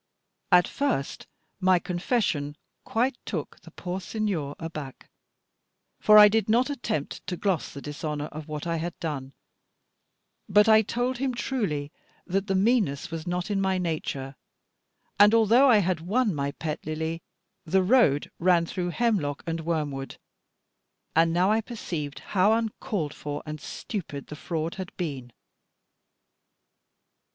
At first my confession quite took the poor Signor aback; for I did not attempt to gloss the dishonour of what I had done; but I told him truly that the meanness was not in my nature, and although I had won my pet Lily, the road ran through hemlock and wormwood. And now I perceived how uncalled for and stupid the fraud had been.